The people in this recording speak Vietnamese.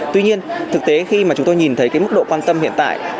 tuy nhiên thực tế khi mà chúng tôi nhìn thấy cái mức độ quan tâm hiện tại